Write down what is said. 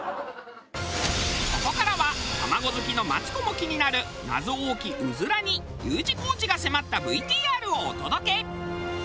ここからは卵好きのマツコも気になる謎多きうずらにＵ字工事が迫ったＶＴＲをお届け！